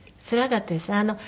つらかったです。